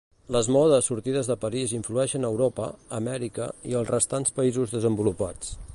Les modes sortides de París influeixen a Europa, Amèrica i els restants països desenvolupats.